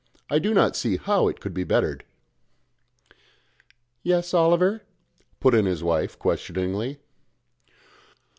I do not see how it could be bettered...." "Yes, Oliver?" put in his wife, questioningly.